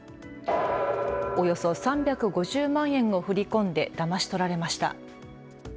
およそ３５０万円を振り込んでだまし取られました。